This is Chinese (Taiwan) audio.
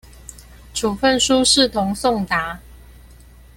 處分書視同送達